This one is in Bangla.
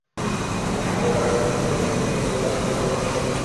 এরপর ফ্যারাডে চুম্বকটিকে কুণ্ডলীর ভেতরে বারবার প্রবেশ করালেন এবং বের করলেন।